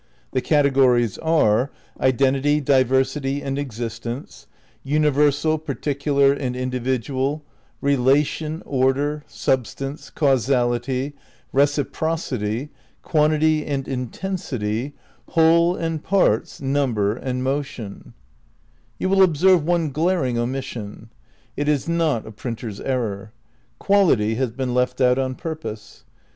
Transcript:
The categories are: Identity, Diversity and Existence, Universal, Particular and Individual, Relation, Order, Substance, Causality, Reciprocity, Quantity and Intensity, Whole and Parts, Number, and Motion, You will observe one glaring omission. It is not a printer's error. Quality has been left out on purpose.